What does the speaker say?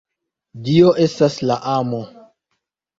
Dio estas la Amo.